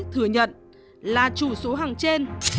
thừa nhận là chủ số hàng trên